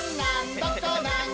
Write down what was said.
どこなん？